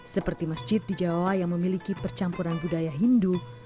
seperti masjid di jawa yang memiliki percampuran budaya hindu